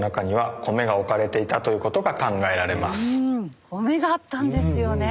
米があったんですよね。